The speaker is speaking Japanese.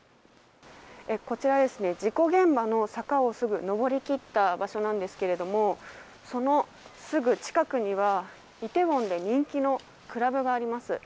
事故現場の坂をすぐ上り切った場所なんですがそのすぐ近くにはイテウォンで人気のクラブがあります。